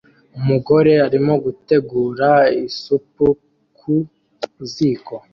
Umugore arimo gutegura isupu ku ziko